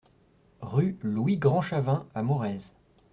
Rue Louis Grandchavin à Morez